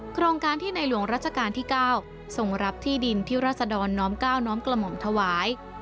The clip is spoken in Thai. โครงการที่ในหลวงรัชกาลที่๙ทรงรับที่ดินที่ราศดรน้อมก้าวน้อมกระหม่อมถวาย